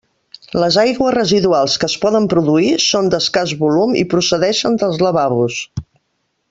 Les aigües residuals que es poden produir són d'escàs volum i procedeixen dels lavabos.